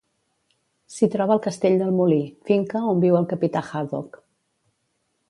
S'hi troba el castell del Molí, finca on viu el capità Haddock.